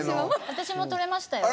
私も撮れましたよ。